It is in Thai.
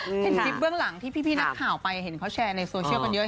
เห็นคลิปเบื้องหลังที่พี่นักข่าวไปเห็นเขาแชร์ในโซเชียลกันเยอะ